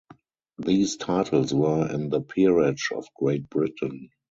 These titles were in the Peerage of Great Britain.